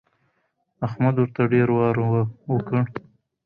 احمد ورته ډېر وار وکړ.